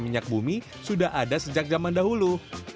minyak bumi sudah ada sejak zaman dahulu